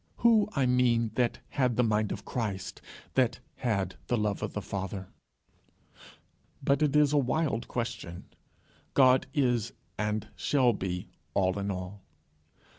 who, I mean, that had the mind of Christ, that had the love of the Father? But it is a wild question. God is, and shall be, All in all.